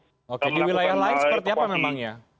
oke di wilayah lain seperti apa memang ya